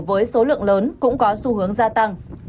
với số lượng lớn cũng có xu hướng gia tăng